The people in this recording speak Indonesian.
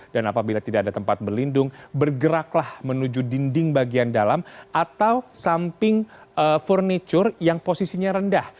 dan apabila tidak ada tempat berlindung bergeraklah menuju dinding bagian dalam atau samping furniture yang posisinya rendah